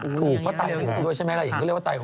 ถูกเพราะตายแล้วใช่ไหมอย่างนี้เรียกว่าตาย